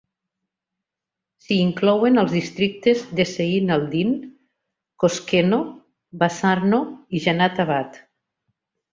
S'hi inclouen els districtes de Zeyn Aldin, Koshkeno, Bazarno i Janat abad.